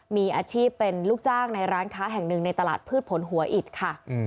มีอาชีพเป็นลูกจ้างในร้านค้าแห่งหนึ่งในตลาดพืชผลหัวอิดค่ะ